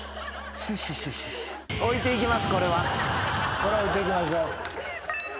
これは置いていきましょう。